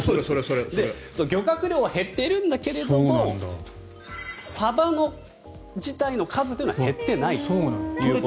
漁獲量は減ってるんだけどもサバ自体の数は減っていない。